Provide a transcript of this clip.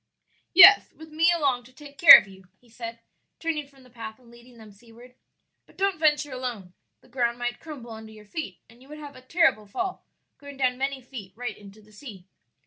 "Yes, with me along to take care of you," he said, turning from the path and leading them seaward; "but don't venture alone, the ground might crumble under your feet and you would have a terrible fall, going down many feet right into the sea."